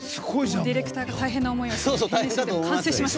ディレクターが大変な思いをして完成しました！